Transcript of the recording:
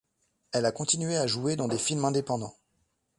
Elle a continué à jouer dans des films indépendants.